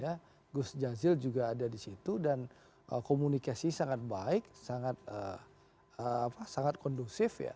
ya gus jazil juga ada di situ dan komunikasi sangat baik sangat kondusif ya